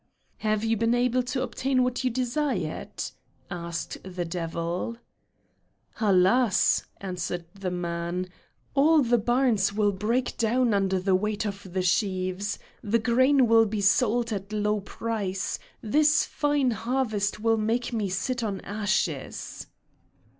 "Have you been able to obtain what you desired?" asked the devil. "Alas!" answered the man, "all the barns will break down under the weight of the sheaves. The grain will be sold at a low price. This fine harvest will make me sit on ashes."